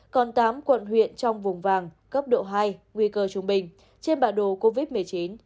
còn tám quận huyện trong vùng vàng cấp độ hai nguy cơ trung bình trên bản đồ covid một mươi chín